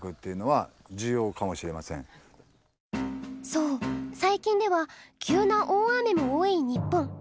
そう最近では急な大雨も多い日本。